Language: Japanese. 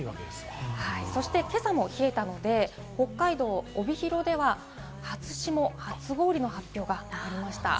今朝も冷えたので、北海道帯広では初霜・初氷の発表がありました。